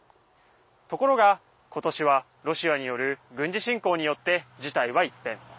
ところが、ことしはロシアによる軍事侵攻によって事態は一変。